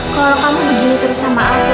kalau kamu begini terus sama aku